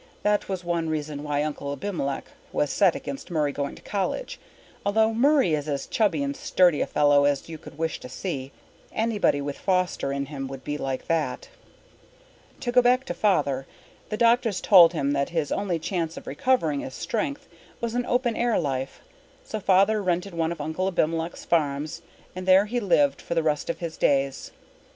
That was one reason why Uncle Abimelech was set against Murray going to college, although Murray is as chubby and sturdy a fellow as you could wish to see. Anybody with Foster in him would be that. To go back to Father. The doctors told him that his only chance of recovering his strength was an open air life, so Father rented one of Uncle Abimelech's farms and there he lived for the rest of his days.